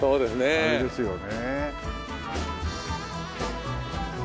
あれですよね。